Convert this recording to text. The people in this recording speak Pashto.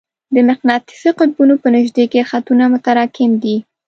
د مقناطیسي قطبونو په نژدې کې خطونه متراکم دي.